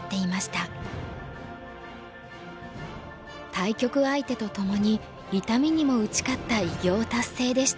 対局相手とともに痛みにも打ち勝った偉業達成でした。